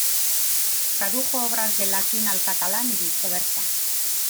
Tradujo obras del latín al catalán y viceversa.